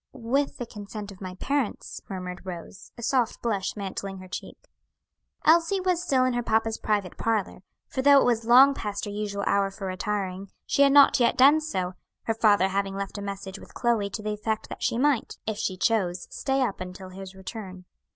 "With the consent of my parents," murmured Rose, a soft blush mantling her cheek. Elsie was still in her papa's private parlor, for though it was long past her usual hour for retiring, she had not yet done so; her father having left a message with Chloe to the effect that she might, if she chose, stay up until his return.